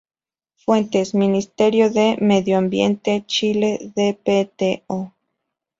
Fuentes: Ministerio del Medioambiente, Chile, Dpto.